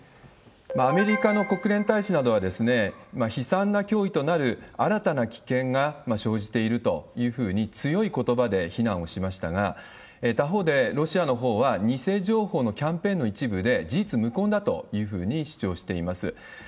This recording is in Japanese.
アメリカの国連大使などは、悲惨な脅威となる新たな危険が生じているというふうに、強いことばで非難をしましたが、他方で、ロシアのほうは、偽情報のキャンペーンの一部で、事実無根だというふうに主張しています。